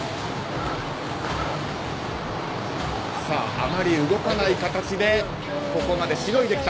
あまり動かない形でここまでしのいできた。